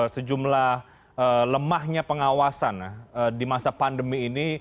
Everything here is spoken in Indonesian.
sejumlah lemahnya pengawasan di masa pandemi ini